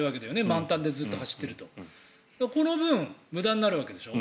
満タンでずっと走っているとこの分、無駄になるわけでしょ。